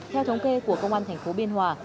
theo thống kê của công an thành phố biên hòa